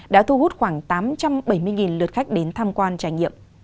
đã thu hút khoảng tám trăm bảy mươi lượt khách đến tham quan trải nghiệm